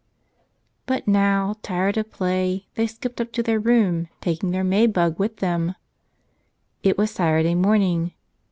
But now, tired of play, they skipped up to their room, taking their May bug with them. It was Saturday morning.